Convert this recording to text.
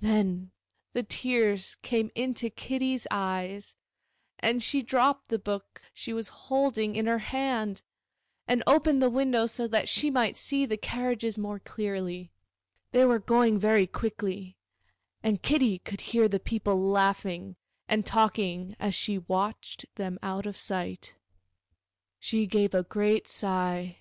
Then the tears came into Kitty's eyes, and she dropped the book she was holding in her hand, and opened the window so that she might see the carriages more clearly. They were going very quickly, and Kitty could hear the people laughing and talking as she watched them out of sight. She gave a great sigh.